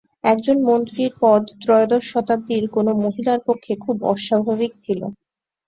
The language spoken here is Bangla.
একজন মন্ত্রীর পদ ত্রয়োদশ শতাব্দীর কোনও মহিলার পক্ষে খুব অস্বাভাবিক ছিল।